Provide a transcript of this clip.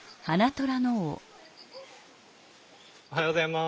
おはようございます。